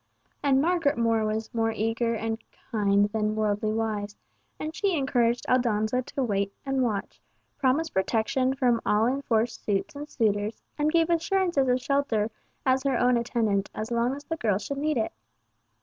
And Margaret More was more kind and eager than worldly wise, and she encouraged Aldonza to watch and wait, promised protection from all enforced suits and suitors, and gave assurances of shelter as her own attendant as long as the girl should need it.